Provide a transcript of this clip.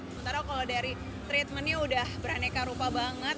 sementara kalau dari treatmentnya udah beraneka rupa banget